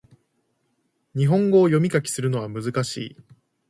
日本語を読み書きするのは難しい